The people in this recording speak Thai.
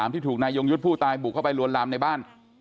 ที่ถูกนายยงยุทธ์ผู้ตายบุกเข้าไปลวนลามในบ้าน